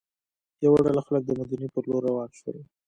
یوه ډله خلک د مدینې پر لور روان شول.